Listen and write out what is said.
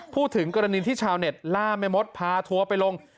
พูดถึงกรณีที่ชาวเน็ตล่าแม่มดพาทัวร์ไปลง